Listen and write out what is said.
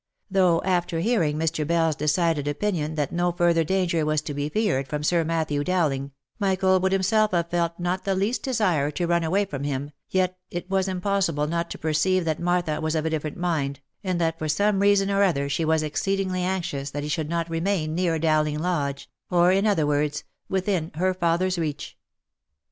Though after hearing Mr. Bell's decided opinion that no further danger was to be feared from Sir Matthew Dowling, Michael would himself have felt not the least desire to run away from him, yet it was impossible not to perceive that Martha was of a different mind, and that for some reason or other she was exceedingly anxious that he should not remain near Dowling Lodge, or, in other words, within her father's reach.